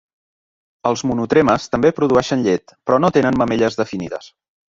Els monotremes també produeixen llet, però no tenen mamelles definides.